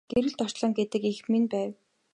Гэрэлт орчлон гэдэг эх минь байв.